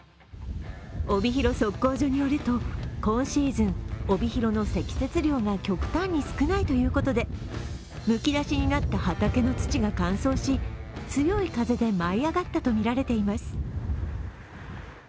帯広測候所によると、今シーズン、帯広の積雪量が極端に少ないということでむき出しになった畑の土が乾燥し強い風で舞い上がったとみられています。